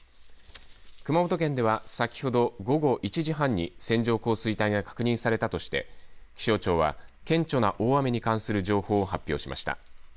熊本県では先ほど午後１時半に線状降水帯が確認されたとして気象庁は顕著な大雨に関する情報を発表しました。